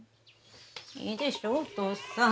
いいでしょうお父さん。